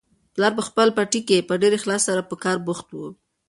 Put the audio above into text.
پلار په خپل پټي کې په ډېر اخلاص سره په کار بوخت و.